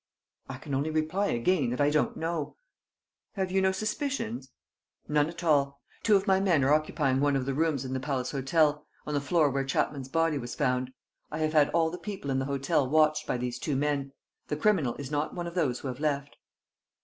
"I can only reply again that I don't know." "Have you no suspicions?" "None at all. Two of my men are occupying one of the rooms in the Palace Hotel, on the floor where Chapman's body was found. I have had all the people in the hotel watched by these two men. The criminal is not one of those who have left."